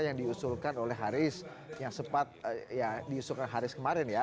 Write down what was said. yang diusulkan oleh haris yang sempat ya diusulkan haris kemarin ya